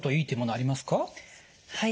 はい。